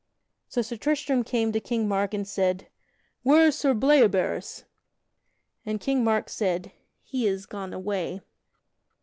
So Sir Tristram came to King Mark and said: "Where is Sir Bleoberis?" And King Mark said, "He is gone away."